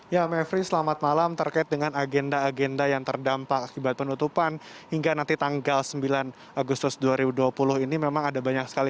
ya mevri selamat malam terkait dengan agenda agenda yang terdampak akibat penutupan hingga nanti tanggal sembilan agustus dua ribu dua puluh ini memang ada banyak sekali